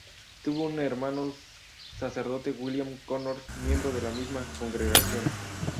Tuvo un hermano sacerdote William Connors, miembro de su misma congregación.